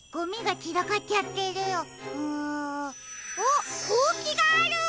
あっほうきがある！